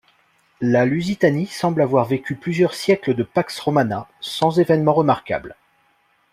La Lusitanie semble avoir vécu plusieurs siècles de Pax Romana, sans événement remarquable.